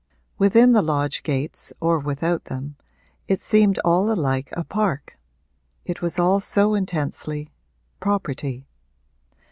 Within the lodge gates or without them it seemed all alike a park it was all so intensely 'property.'